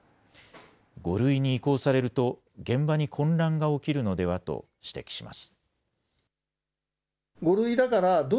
５類に移行されると現場に混乱が起きるのではと、指摘します。